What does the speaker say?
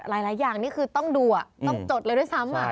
หลายอย่างนี่คือต้องดูต้องจดเลยด้วยซ้ำ